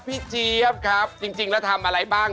เจี๊ยบครับจริงแล้วทำอะไรบ้าง